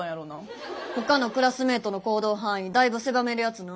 他のクラスメートの行動範囲だいぶ狭めるやつな。